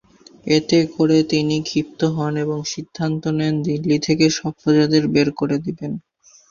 এতে করে তিনি ক্ষিপ্ত হন এবং সিদ্ধান্ত নেন দিল্লি থেকে সব প্রজাদের বের করে দিবেন।